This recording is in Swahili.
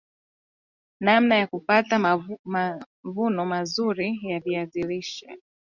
namna ya kupata mavuno mazuri ya viazi lishe